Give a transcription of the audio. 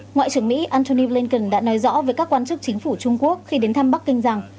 ngoại trưởng mỹ antony blinken đã nói rõ với các quan chức chính phủ trung quốc khi đến thăm bắc kinh rằng